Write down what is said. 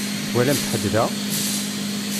Twalamt ḥedd da?